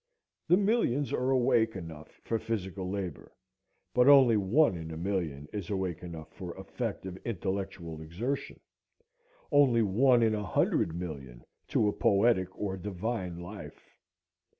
The millions are awake enough for physical labor; but only one in a million is awake enough for effective intellectual exertion, only one in a hundred millions to a poetic or divine life.